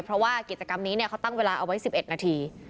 เพราะว่ากิจกรรมนี้เขาตั้งเวลาเอาไว้๑๑นาที